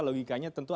logikanya tentu ada